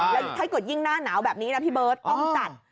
แล้วถ้าเกิดยิ่งหน้าหนาวแบบนี้นะพี่เบิร์ตต้องจัด